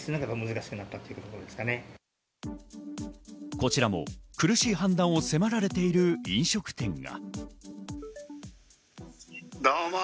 こちらも苦しい判断を迫られている飲食店が。